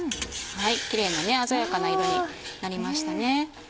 キレイな鮮やかな色になりましたね。